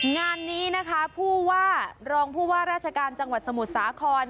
งานนี้นะคะผู้ว่ารองผู้ว่าราชการจังหวัดสมุทรสาคร